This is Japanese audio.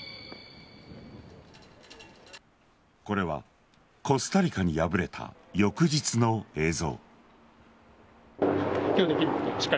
これはコスタリカに敗れた翌日の映像。